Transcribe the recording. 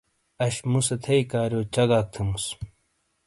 اش مُُو سے تھئی کاریو چگاک تھیموس۔